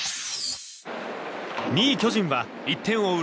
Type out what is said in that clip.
２位、巨人は１点を追う